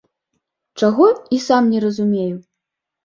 Чаго, і сам не разумею.